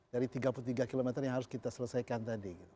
dari tiga puluh tiga km yang harus kita selesaikan tadi